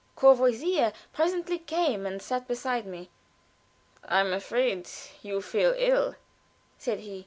Courvoisier presently came and sat beside me. "I'm afraid you feel ill," said he.